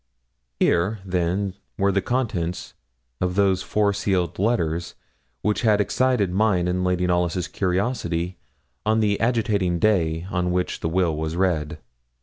Here, then, were the contents of those four sealed letters which had excited mine and Lady Knollys' curiosity on the agitating day on which the will was read.